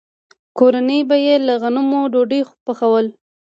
کورنۍ به یې له غنمو ډوډۍ پخوله.